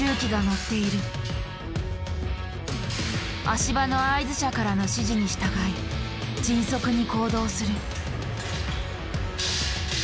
足場の合図者からの指示に従い迅速に行動する。